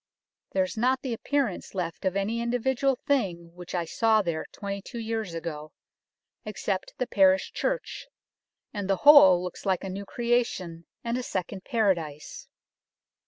There's not the appearance left of any individual thing which I saw there 22 years ago, except the parish church, and the whole looks like a new Creation and a second paradise.